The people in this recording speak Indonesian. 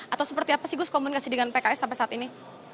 atau seperti apa sih gus komunikasi dengan pks sampai saat ini